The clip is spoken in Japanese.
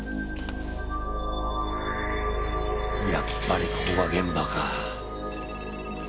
やっぱりここが現場か。